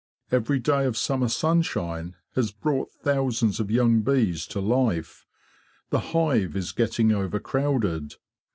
Every day of summer sunshine has brought thousands of young bees to life. The hive is getting overcrowded.